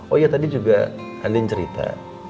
oh iya tadi juga andin cerita